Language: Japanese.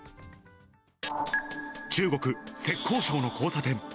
中国・浙江省の交差点。